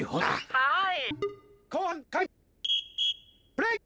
はい！